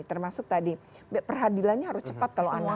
termasuk tadi peradilannya harus cepat kalau anak anak